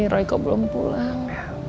roy kok belum pulang